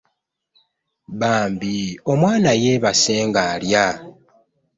Bambi omwaana yebase nga'lya